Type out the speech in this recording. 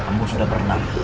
ya kamu sudah benar